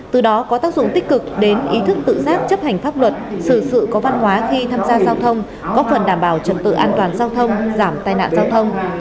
từ đó có tác dụng tích cực đến ý thức tự giác chấp hành pháp luật xử sự có văn hóa khi tham gia giao thông góp phần đảm bảo trật tự an toàn giao thông giảm tai nạn giao thông